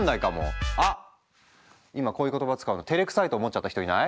今こういう言葉使うのてれくさいと思っちゃった人いない？